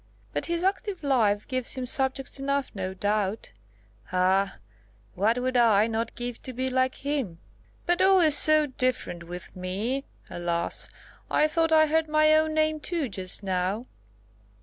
But his active life gives him subjects enough, no doubt. Ah! what would I not give to be like him! But all is so different with me, alas! I thought I heard my own name too, just now.